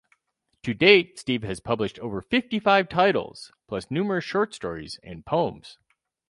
To date Steve has published over fifty-five titles plus numerous short stories and poems.